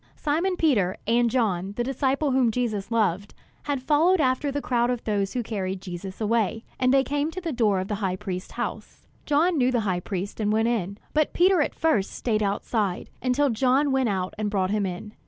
Simon Peter, and John, the disciple whom Jesus loved, had followed after the crowd of those who carried Jesus away; and they came to the door of the high priest's house. John knew the high priest and went in; but Peter at first stayed outside, until John went out and brought him in.